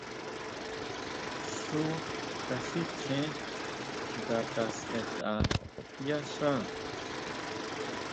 Xu kasichjen nga kasʼetʼa yá xá.